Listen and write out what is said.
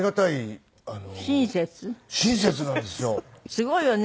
すごいよね。